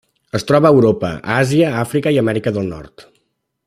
Es troba a Europa, Àsia, Àfrica i Amèrica del Nord.